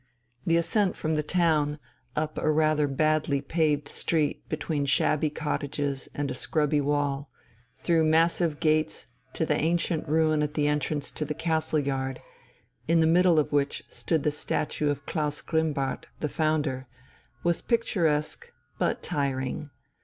The ascent from the town, up a rather badly paved street between shabby cottages and a scrubby wall, through massive gates to the ancient ruin at the entrance to the castle yard, in the middle of which stood the statue of Klaus Grimmbart, the founder, was picturesque but tiring.